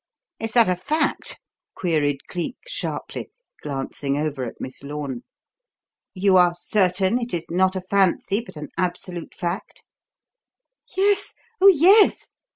"Is that a fact?" queried Cleek sharply, glancing over at Miss Lorne. "You are certain it is not a fancy, but an absolute fact?" "Yes; oh, yes!"